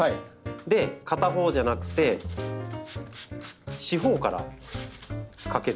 で片方じゃなくて四方からかけるんですね。